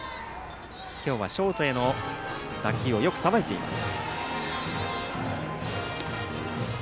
今日はショートへの打球をよくさばいています。